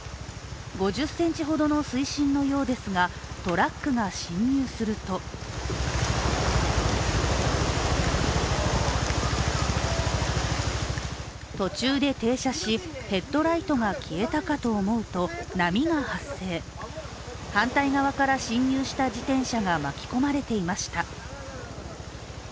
５０ｃｍほどの水深のようですが、トラックが進入すると途中で停車し、ヘッドライトが消えたかと思うと波が発生、反対側から進入した自転車が巻き込まれていました。